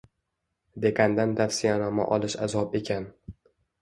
Dekandan tavsiyanoma olish azob ekan.